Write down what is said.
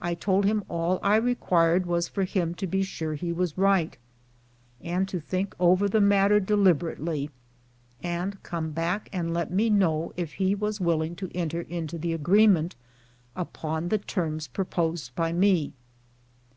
I told him all I required was for him to be sure he was right, and to think over the matter deliberately, and come back and let me know if he was willing to enter into the agreement upon the terms proposed by me.